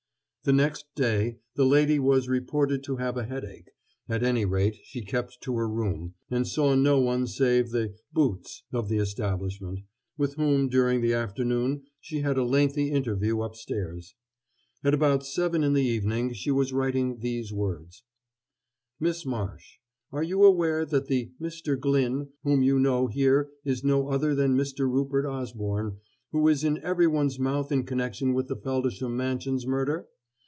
The next day the lady was reported to have a headache at any rate she kept to her room, and saw no one save the "boots" of the establishment, with whom during the afternoon she had a lengthy interview upstairs. At about seven in the evening she was writing these words: MISS MARSH: Are you aware that the "Mr. Glyn" whom you know here is no other than Mr. Rupert Osborne, who is in everyone's mouth in connection with the Feldisham Mansions Murder?